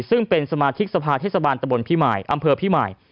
ซึ่งเป็นสมาชิกสภาเทศบาลตะบนพิมายอำเภอพี่มาย